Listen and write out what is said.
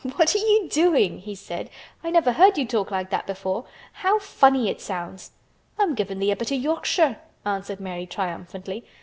"What are you doing?" he said. "I never heard you talk like that before. How funny it sounds." "I'm givin' thee a bit o' Yorkshire," answered Mary triumphantly.